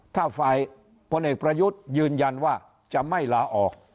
ถ้าฝ่ายพลเอกประยุทธ์ยืนยันว่าจะไม่ลาออก